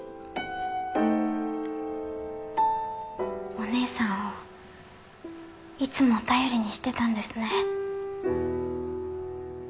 お姉さんをいつも頼りにしてたんですね。